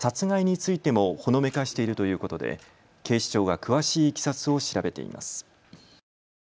２人は殺害についてもほのめかしているということで警視庁が詳しいいきさつを調べています。